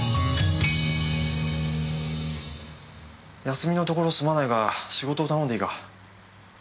休みのところすまないが仕事を頼んでいいか？